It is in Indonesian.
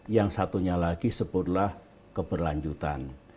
yang satunya lagi sebutlah keberlanjutan